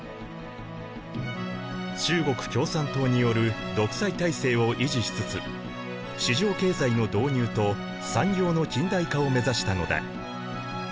中国共産党による独裁体制を維持しつつ市場経済の導入と産業の近代化を目指したのだ。